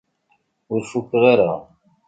Ur fukeɣ ara.